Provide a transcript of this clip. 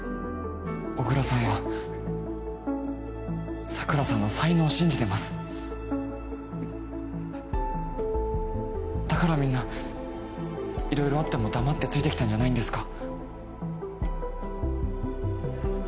巨椋さんは桜さんの才能を信じてますだからみんな色々あっても黙ってついてきたんじゃないんですか？